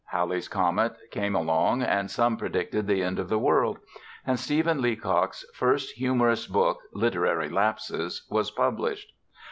Halley's comet came along, and some predicted the End of the World. And Stephen Leacock's first humorous book Literary Lapses was published.